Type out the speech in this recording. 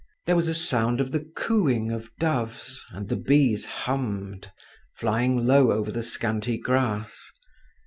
There was a sound of the cooing of doves, and the bees hummed, flying low over the scanty grass.